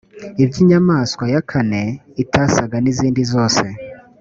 iby’inyamaswa ya kane itasaga n’izindi zose